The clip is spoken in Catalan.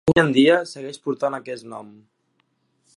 Avui en dia, segueix portant aquest nom.